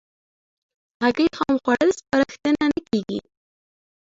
هګۍ خام خوړل سپارښتنه نه کېږي.